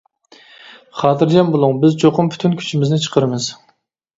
خاتىرجەم بولۇڭ بىز چوقۇم پۈتۈن كۈچىمىزنى چىقىرىمىز.